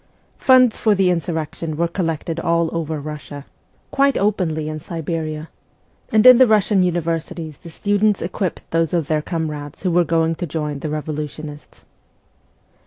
Funds for the insurrection were collected all over Russia quite 204 MEMOIRS OF A REVOLUTIONIST openly in Siberia and in the Russian universities the students equipped those of their comrades who were going to join the revolutionists.